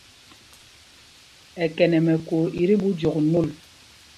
Ɛjok ɛ́ kɛnd mɛ̄ko i ti ɓu jɔk nôl.